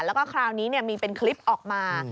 แล้วก็คราวนี้มีเป็นคลิปออกมา